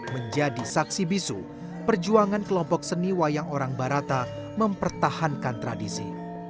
menjadi saksi bisu perjuangan kelompok seni wayang orang barata mempertahankan tradisi